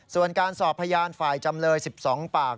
ส่วนการสอบพยานฝ่ายจำเลย๑๒ปาก